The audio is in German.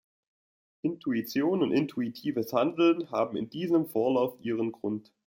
Intuition und intuitives Handeln haben in diesem Vorlauf ihren Grund.